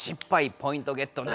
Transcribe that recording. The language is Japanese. ポイントゲットならず。